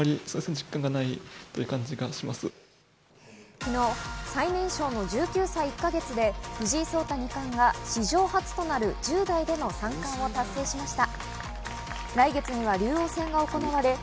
昨日、最年少の１９歳１か月で藤井聡太二冠が史上初となる１０代での三冠を達成しました。